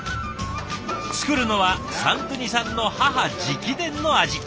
作るのはサンドゥニさんの母直伝の味。